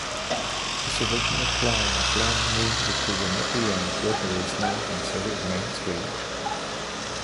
This original plot of land near the Quinnipiac River is now considered Main Street.